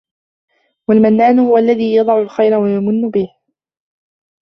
وَالْمَنَّانُ هُوَ الَّذِي يَصْنَعُ الْخَيْرَ وَيَمُنُّ بِهِ